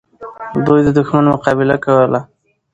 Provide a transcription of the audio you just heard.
دوی د دښمن مقابله کوله.